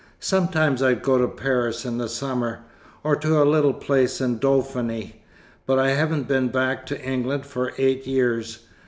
Sometimes I go to Paris in the summer or to a little place in Dauphiny. But I haven't been back to England for eight years.